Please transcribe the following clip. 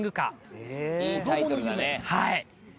はい。